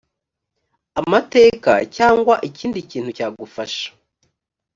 amateka cyangwa ikindi kintu cyagufasha